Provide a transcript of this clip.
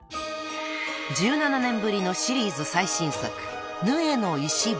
［１７年ぶりのシリーズ最新作『の碑』］